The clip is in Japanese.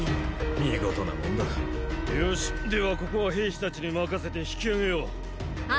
見事なもんだよしではここは兵士達に任せて引き揚げようあ